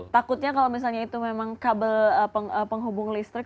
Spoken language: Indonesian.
takutnya kalau misalnya itu memang kabel penghubung listrik